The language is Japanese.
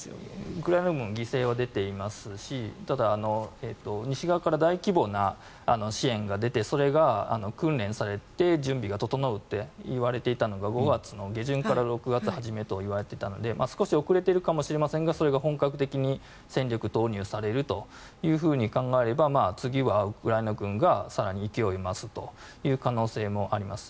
ウクライナ軍も犠牲は出ていますしただ、西側から大規模な支援が出てそれが訓練されて準備が整うといわれていたのが５月の下旬から６月初めと言われていたので少し遅れているかもしれませんがそれが本格的に戦力投入されると考えれば次はウクライナ軍が更に勢いを増すという可能性もあります。